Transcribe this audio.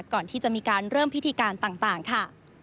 ก่อนที่จะมีการเริ่มพิธีการต่างค่ะ